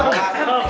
udah gak usah